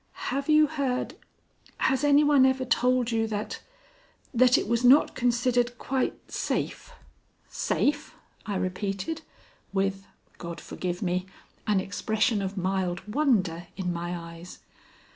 Have you heard has any one ever told you that that it was not considered quite safe?" "Safe?" I repeated, with God forgive me! an expression of mild wonder in my eyes.